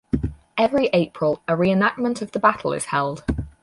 Every April, a reenactment of the battle is held.